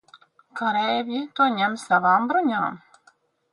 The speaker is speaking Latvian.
Kareivji to ņem savām bruņām.